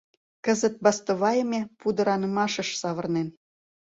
Кызыт бастовайыме пудыранымашыш савырнен.